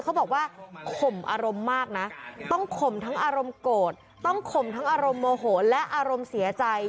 เขาบอกว่าข่มอารมณ์มากนะต้องข่มทั้งอารมณ์โกรธต้องข่มทั้งอารมณ์โมโหและอารมณ์เสียใจ